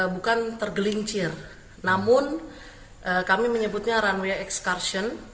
bukan tergelincir namun kami menyebutnya runway excursion